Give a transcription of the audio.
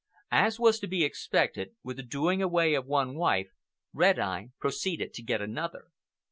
As was to be expected, with the doing away of one wife Red Eye proceeded to get another.